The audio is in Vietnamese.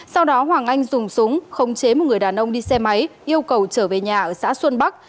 sau đó hoàng anh dùng súng khống chế một người đàn ông đi xe máy yêu cầu trở về nhà ở xã xuân bắc